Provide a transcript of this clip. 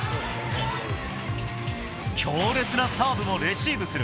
強烈なサーブもレシーブする